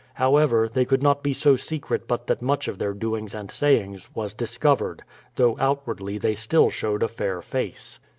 However, they could not be so secret but that much of their doings and sayings was discovered; though outwardly they still showed a fair face.